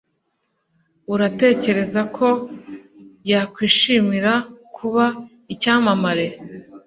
uratekereza ko wakwishimira kuba icyamamare